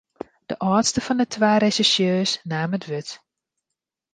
De âldste fan de twa resjersjeurs naam it wurd.